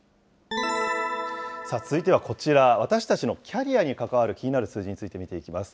続いてはこちら、私たちのキャリアに関わる気になる数字について見ていきます。